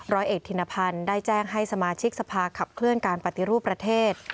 ร้อยเอกธินพันธ์ได้แจ้งให้สมาชิกสภาขับเคลื่อนการปฏิรูปประเทศ